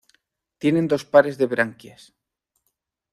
Tienen dos pares de branquias.